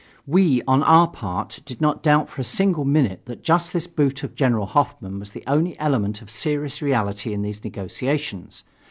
We, on our part, did not doubt for a single minute that just this boot of General Hoffmann was the only element of serious reality in these negotiations.